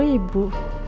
tinggal dua puluh ribu